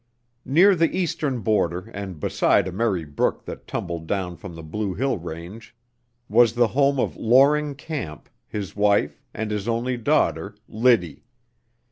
Near the eastern border, and beside a merry brook that tumbled down from the Blue Hill range, was the home of Loring Camp, his wife, and his only daughter, Liddy.